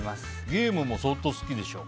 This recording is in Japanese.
ゲームも相当好きでしょ。